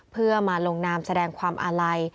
เพื่อมาลงนามแสดงความอาลัย